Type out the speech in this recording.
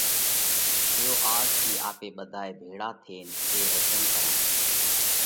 ليو آز آپي ٻڌائي ڀيۯا ٿينَ اي وچنَ ڪرون